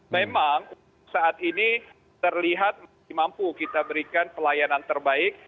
memang saat ini terlihat masih mampu kita berikan pelayanan terbaik